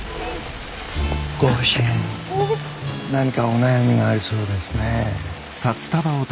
ご婦人何かお悩みがありそうですね。